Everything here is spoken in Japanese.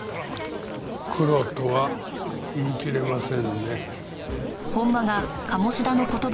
クロとは言い切れませんね。